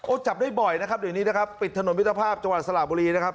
โอ้จับได้บ่อยนะครับปิดถนนวิทธภาพจังหวัดสระบุรีนะครับ